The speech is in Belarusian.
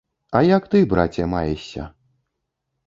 А як ты, браце, маешся?